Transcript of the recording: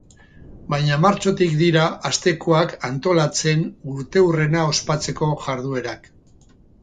Baina martxotik dira hastekoak antolatzen, urteurrena ospatzeko jarduerak.